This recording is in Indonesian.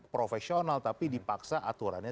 profesional tapi dipaksa aturannya